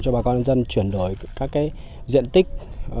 cho bà con dân chuyển đổi các cái diện tích